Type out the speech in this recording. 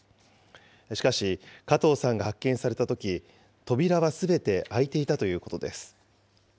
しかし、加藤さんが発見されたとき、扉はすべて開いていたということです。